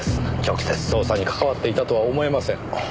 直接捜査に関わっていたとは思えません。